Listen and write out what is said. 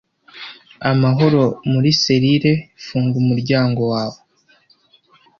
amahoro muri selire funga umuryango wawe